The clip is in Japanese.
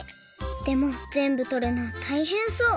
でもぜんぶとるのたいへんそう。